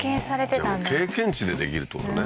じゃあもう経験値でできるってことね